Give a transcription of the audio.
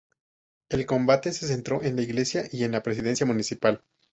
El combate se centró en la iglesia y en la presidencia municipal.